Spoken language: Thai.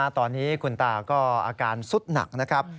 ตอนนี้คุณตาก็อาการสุดหนักนะครับ